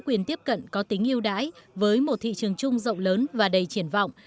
quyền tiếp cận có tính yêu đãi với một thị trường chung rộng lớn và đầy triển vọng